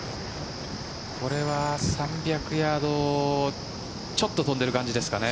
これは、３００ヤードちょっと飛んでいる感じですかね。